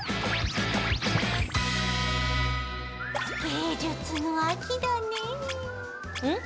芸術の秋だねぇ。